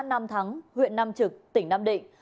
nam thắng huyện nam trực tỉnh nam định